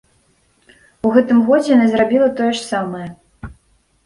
У гэтым годзе яна зрабіла тое ж самае.